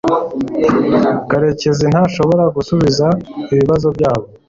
karekezi ntashobora gusubiza ibibazo byabo